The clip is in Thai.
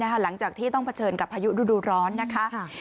หลังจากที่ต้องเผชิญกับพายุดูร้อนนะคะ